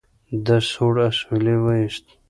ده سوړ اسویلی وایست.